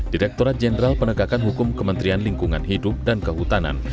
direkturat jenderal penegakan hukum kementerian lingkungan hidup dan kehutanan